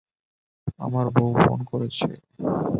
আমার বউ ফোন করেছে।